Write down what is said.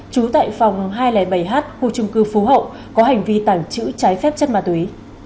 trú tại phòng hai trăm linh bảy h khu trung cư phú hậu có hành vi tàng trữ trái phép chất ma túy